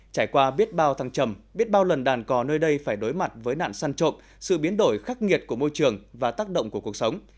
trải qua biết bao thăng trầm biết bao lần đàn cò nơi đây phải đối mặt với nạn săn trộm sự biến đổi khắc nghiệt của môi trường và tác động của cuộc sống